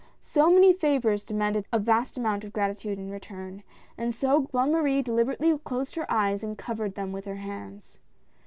So many favors demanded a vast amount of gratitude in return, and so Bonne Marie deliberately closed her eyes and covered them with her hands.